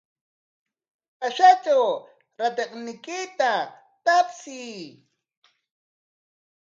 Washatraw ratayniykita tapsiy.